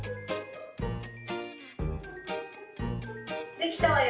「できたわよ」。